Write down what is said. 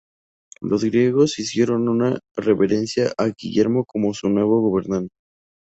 Los griegos hicieron una reverencia a Guillermo como su nuevo gobernante.